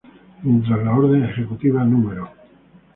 Mientras, la Orden Ejecutiva No.